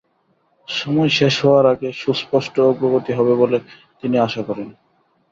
সময় শেষ হওয়ার আগে সুস্পষ্ট অগ্রগতি হবে বলে তিনি আশা করেন।